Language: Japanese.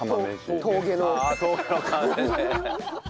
「峠の」。